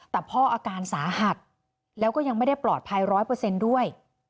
แต่พ่ออาการสาหัสแล้วก็ยังไม่ได้ปลอดภัยร้อยเปอร์เซ็นต์ด้วย